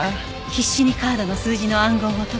必死にカードの数字の暗号を解き